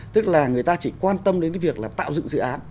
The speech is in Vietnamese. tức là người ta chỉ quan tâm đến cái việc là tạo dựng dự án